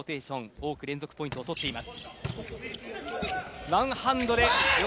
多く連続ポイントを取っています。